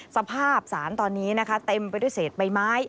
สารตอนนี้นะคะเต็มไปด้วยเศษใบไม้